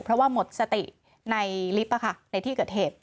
เพราะว่าหมดสติในลิฟต์ในที่เกิดเหตุ